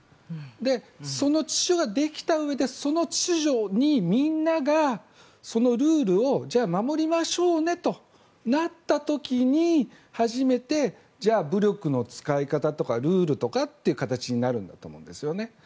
その秩序ができたうえでその秩序にみんながそのルールをじゃあ守りましょうねとなった時に初めて、じゃあ武力の使い方とかルールとかって形になると思うんですよね。